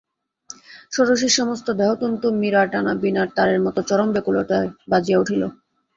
ষোড়শীর সমস্ত দেহতন্তু মীড়াটানা বীণার তারের মতো চরম ব্যকুলতায় বাজিয়া উঠিল।